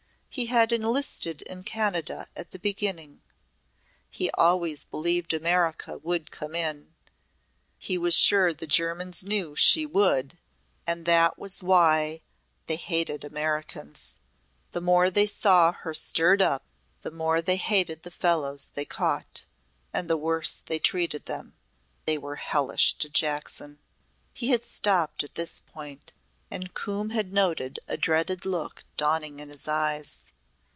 He had enlisted in Canada at the beginning. He always believed America would come in. He was sure the Germans knew she would and that was why they hated Americans. The more they saw her stirred up, the more they hated the fellows they caught and the worse they treated them. They were hellish to Jackson!" He had stopped at this point and Coombe had noted a dreaded look dawning in his eyes.